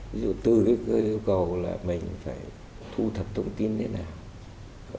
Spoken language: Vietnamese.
ví dụ từ cái yêu cầu là mình phải thu thập thông tin thế nào